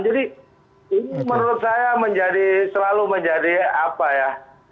jadi ini menurut saya menjadi selalu menjadi apa ya